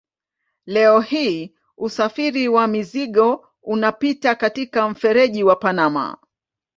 Leo hii usafiri wa mizigo unapita katika mfereji wa Panama.